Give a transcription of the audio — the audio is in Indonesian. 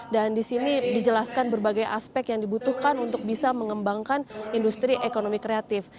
dan di sini dijelaskan berbagai aspek yang dibutuhkan untuk bisa mengembangkan industri ekonomi kreatif